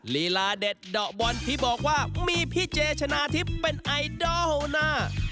ลีลาเด็ดเดาะบอลที่บอกว่ามีพี่เจชนะทิพย์เป็นไอดอลหน้า